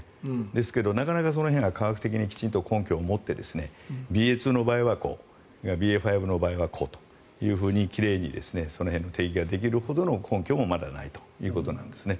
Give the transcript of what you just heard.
ですけどなかなかその辺が科学的に根拠を持ってＢＡ．２の場合はこうＢＡ．５の場合はこうと奇麗に定義できるほどの根拠もまだないということなんですね。